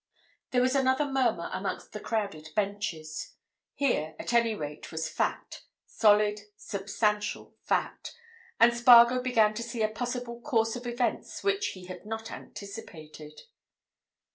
There was another murmur amongst the crowded benches. Here at any rate was fact—solid, substantial fact. And Spargo began to see a possible course of events which he had not anticipated.